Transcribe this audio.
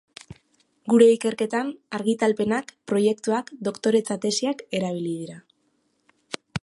Gure ikerketan argitalpenak, proiektuak, doktoretza-tesiak erabili dira.